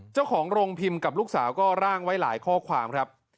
เจ้าของโรงพิมพ์กับลูกสาวก็ร่างไว้หลายข้อความครับ